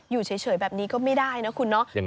อยู่เฉยแบบนี้ก็ไม่ได้นะคุณเนาะ